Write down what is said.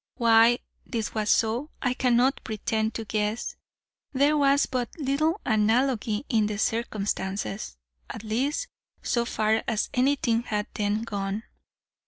Why this was so I cannot pretend to guess: there was but little analogy in the circumstances, at least so far as anything had then gone.